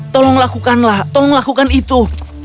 tolong lakukanlah tolong lakukan itu